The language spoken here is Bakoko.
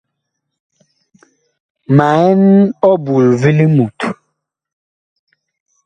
Ma ɛn ɔbul vi limut.